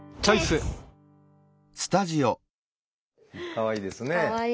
かわいいですね。